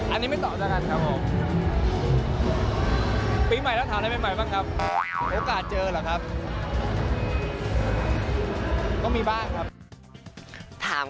อันนี้ไม่ต่อด้วยกันครับผม